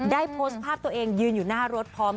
ได้โพสต์ภาพตัวเองยืนอยู่หน้ารถพร้อม